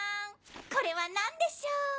これは何でしょう。